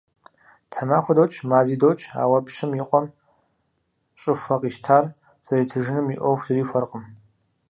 Тхьэмахуэ докӀ, мази докӀ, ауэ пщым и къуэм щӀыхуэ къищтар зэритыжыным и Ӏуэху зэрихуэркъым.